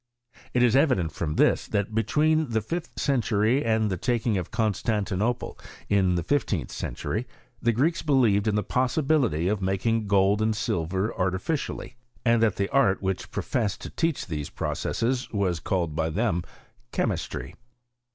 It is evident from this, that between the fifth cen tury and the taking of Constantinople in the fifteenth century, the Greeks believed in the possibility of making gold and silver artificially; and that the art which professed to teach these processes was called by them Chemistry.